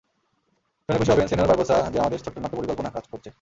শুনে খুশি হবেন, সেনর বারবোসা, যে আমাদের ছোট্ট নাট্য পরিকল্পনা কাজ করছে।